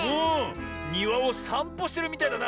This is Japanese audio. にわをさんぽしてるみたいだな。